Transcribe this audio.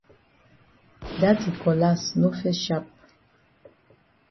Dat yi cutlass no fes sharp.